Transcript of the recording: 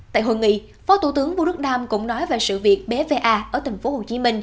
tại hội nghị phó tủ tướng vũ đức nam cũng nói về sự việc bva ở tp hcm